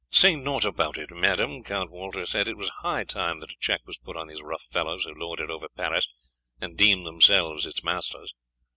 "Say naught about it, madame," Count Walter said; "it was high time that a check was put on these rough fellows who lord it over Paris and deem themselves its masters.